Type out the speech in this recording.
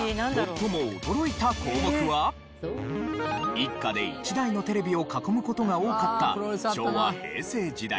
一家で一台のテレビを囲む事が多かった昭和・平成時代。